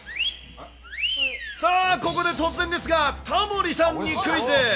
さあ、ここで突然ですが、タモリさんにクイズ。